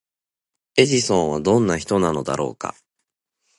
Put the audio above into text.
エジソンはどんな人なのだろうか？